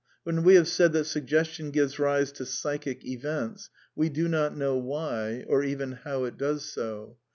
When we have said that suggestion gives rise to psychic events, we do not know why, or even how it does so.